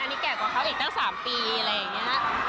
อันนี้แก่กว่าเขาอีกตั้ง๓ปีอะไรอย่างนี้